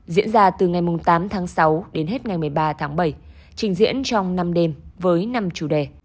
diễn ra từ ngày tám tháng sáu đến hết ngày một mươi ba tháng bảy trình diễn trong năm đêm với năm chủ đề